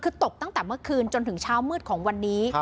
คือตกตั้งแต่เมื่อคืนจนถึงเช้ามืดของวันนี้